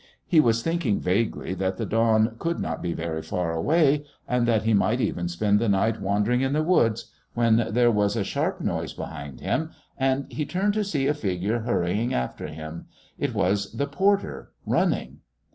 He was thinking vaguely that the dawn could not be very far away, and that he might even spend the night wandering in the woods, when there was a sharp noise behind him and he turned to see a figure hurrying after him. It was the porter running.